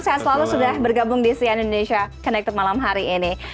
sehat selalu sudah bergabung di sian indonesia connected malam hari ini